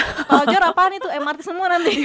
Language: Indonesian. kalau jor apaan itu mrt semua nanti